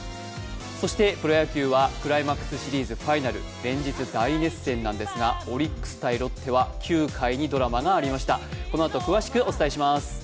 そしてプロ野球はクライマックスシリーズファイナル連日大熱戦なんですがオリックス×ロッテは９回にドラマがありました、このあと詳しくお伝えします。